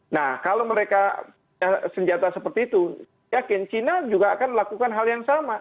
nah kalau mereka punya senjata seperti itu yakin cina juga akan melakukan hal yang sama